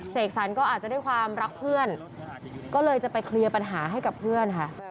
สันก็อาจจะด้วยความรักเพื่อนก็เลยจะไปเคลียร์ปัญหาให้กับเพื่อนค่ะ